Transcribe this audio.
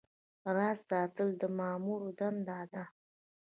راز ساتل د مامور دنده ده